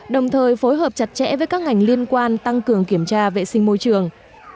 đồng thời phối hợp chặt chẽ với các ngành liên quan tăng cường kiểm tra vệ sinh môi trường